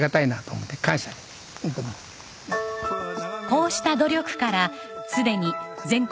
こうした努力からすでに全国